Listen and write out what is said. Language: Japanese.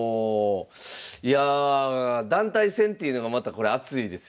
いやあ団体戦っていうのがまたこれ熱いですよね。